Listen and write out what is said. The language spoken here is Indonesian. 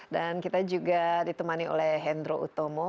dan kita juga ditemani oleh hendro utomo